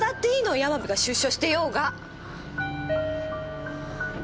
山部が出所してようが。